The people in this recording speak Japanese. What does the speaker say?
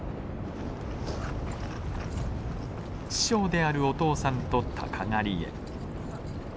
師匠であるお父さんと鷹狩りへ。